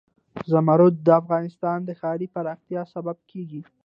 زمرد د افغانستان د ښاري پراختیا سبب کېږي.